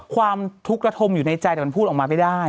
ความทุกข์ระทมอยู่ในใจแต่มันพูดออกมาไม่ได้